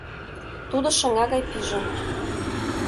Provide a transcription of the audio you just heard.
Тудо шыҥа гай пижын